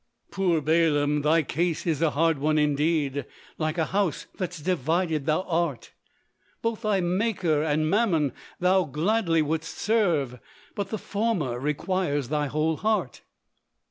Poor Balaam, thy case is a hard one indeed; Like a house that's divided thou art; Both thy Maker and Mammon thou gladly would'st serve, But the former requires thy whole heart.